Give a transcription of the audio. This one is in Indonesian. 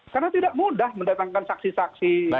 karena tidak mudah mendatangkan saksi saksi